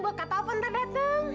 buat kata apa nanti datang